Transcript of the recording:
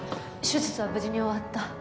手術は無事に終わった。